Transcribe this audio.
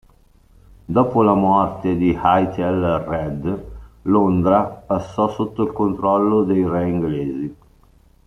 Dopo la morte di Aethelred, Londra passò sotto il controllo dei re inglesi.